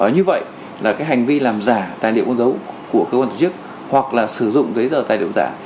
như vậy là cái hành vi làm giả tài liệu con dấu của cơ quan tổ chức hoặc là sử dụng giấy tờ tài liệu giả